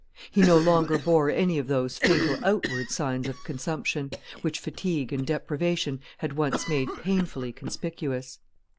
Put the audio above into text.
He no longer bore any of those fatal outward signs of consumption, which fatigue and deprivation had once made painfully conspicuous.